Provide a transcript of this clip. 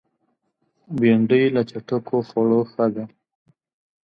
بېنډۍ له چټکو خوړو ښه ده